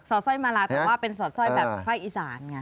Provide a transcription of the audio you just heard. สร้อยมาลาแต่ว่าเป็นสอดสร้อยแบบภาคอีสานไง